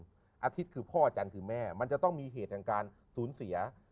อาทิตย์คือพ่ออาจารย์คือแม่มันจะต้องมีเหตุแห่งการสูญเสีย